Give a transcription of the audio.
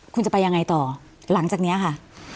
คุณจะไปยังไงต่อหลังจากนี้ค่ะ